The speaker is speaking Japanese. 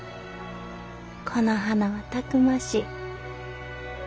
この花はたくましい。